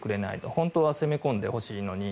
本当は攻め込んでほしいのに。